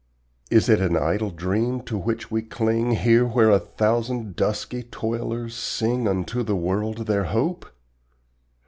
Is it an idle dream to which we cling, Here where a thousand dusky toilers sing Unto the world their hope?